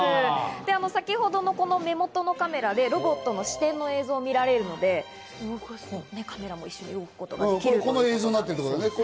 先ほどの目元のカメラでロボットの視点の映像を見られるのでカメラも一緒に動くことができるんです。